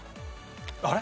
あれ？